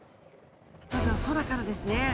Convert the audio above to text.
まずは空からですね